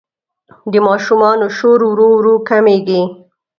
د ماشومانو شور ورو ورو کمېږي.